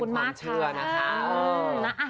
เป็นความเชื่อนะคะ